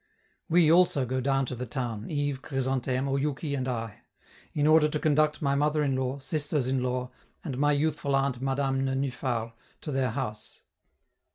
We also go down to the town, Yves, Chrysantheme, Oyouki and I in order to conduct my mother in law, sisters in law, and my youthful aunt, Madame Nenufar, to their house.